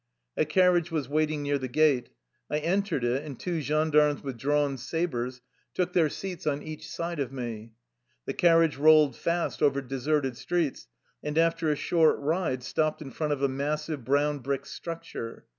A carriage was waiting near the gate. I en tered it, and two gendarmes with drawn sabers took their seats on each side of me. The car riage rolled fast over deserted streets, and after a short ride stopped in front of a massive brown brick structure.